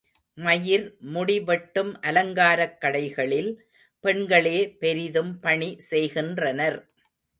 மயிர் முடி வெட்டும் அலங்காரக் கடைகளில் பெண்களே பெரிதும் பணி செய்கின்றனர்.